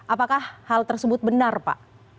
apakah hal tersebut benar pak